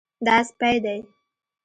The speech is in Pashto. دا سپی دی